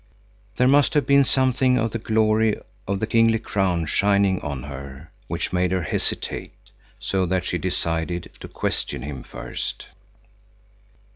There must have been something of the glory of the kingly crown shining on her, which made her hesitate so that she decided to question him first.